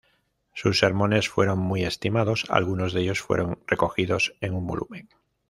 Sus sermones fueron muy estimados, algunos de ellos fueron recogidos en un volumen.